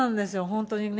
本当にね。